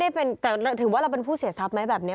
แต่ถือว่าเราเป็นผู้เสียทรัพย์ไหมแบบนี้